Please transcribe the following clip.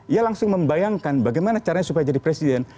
ia langsung membayangkan bagaimana caranya supaya jadi presiden